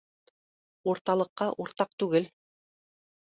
— Уртаҡлыҡҡа уртаҡ түгел